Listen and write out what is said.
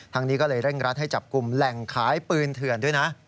นี้ก็เลยเร่งรัดให้จับกลุ่มแหล่งขายปืนเถื่อนด้วยนะ